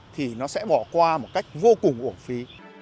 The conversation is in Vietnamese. thì nó sẽ bỏ qua một cách vô cùng ổn phí